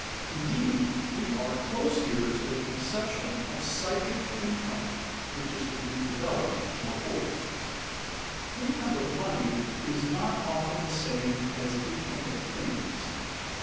Indeed, we are close here to the conception of psychic income which is to be developed more fully. [Sidenote: Money income] Income of money is not often the same as income of things.